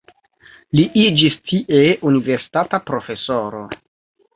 Li iĝis tie universitata profesoro.